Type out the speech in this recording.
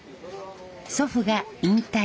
祖父が引退。